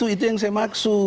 itu yang saya maksud